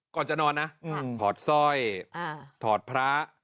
ก่อนจะนอนนะถอดสร้อยถอดพระ